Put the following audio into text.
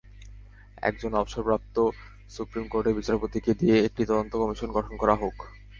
একজন অবসরপ্রাপ্ত সুপ্রিম কোর্টের বিচারপতিকে দিয়ে একটি তদন্ত কমিশন গঠন করা হোক।